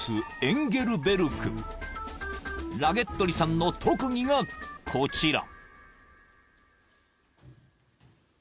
［ラゲットリさんの特技がこちら］